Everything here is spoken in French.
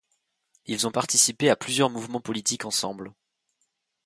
Ils ont participé à plusieurs mouvements politiques ensemble.